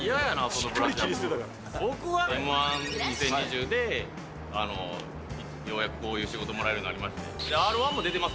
Ｍー１、２０２０でようやくこういう仕事もらえるようになりまして。